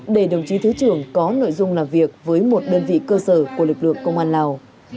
để đồng chí thứ trưởng có nội dung làm việc với một đơn vị cơ sở của lực lượng công an lào